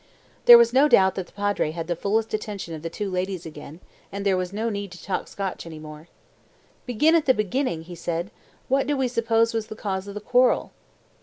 There was no doubt that the Padre had the fullest attention of the two ladies again, and there was no need to talk Scotch any more. "Begin at the beginning," he said. "What do we suppose was the cause of the quarrel?"